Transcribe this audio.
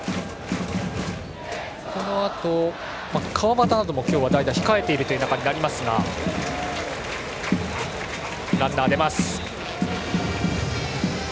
このあと川端なども今日は代打で控えているという中ではありますがランナーが出ます。